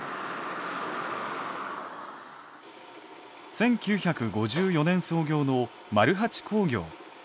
１９５４年創業のマルハチ工業。